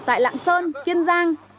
tại lạng sơn kiên giang